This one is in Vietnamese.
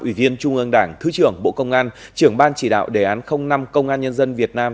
ủy viên trung ương đảng thứ trưởng bộ công an trưởng ban chỉ đạo đề án năm công an nhân dân việt nam